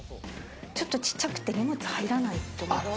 ちょっと小っちゃくて荷物が入らない。